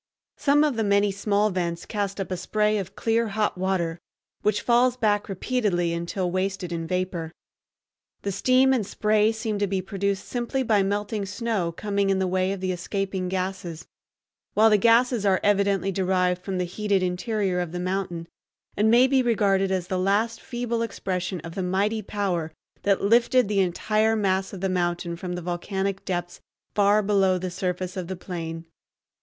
Some of the many small vents cast up a spray of clear hot water, which falls back repeatedly until wasted in vapor. The steam and spray seem to be produced simply by melting snow coming in the way of the escaping gases, while the gases are evidently derived from the heated interior of the mountain, and may be regarded as the last feeble expression of the mighty power that lifted the entire mass of the mountain from the volcanic depths far below the surface of the plain.